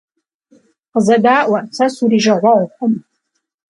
Къызэдаӏуэ, сэ сурижагъуэгъукъым.